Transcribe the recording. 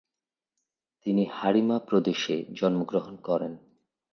তিনি হারিমা প্রদেশে জন্মগ্রহণ করেন।